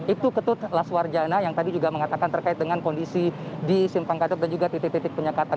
ibtu ketut laswarjana yang tadi juga mengatakan terkait dengan kondisi di simpang gadok dan juga titik titik penyekatan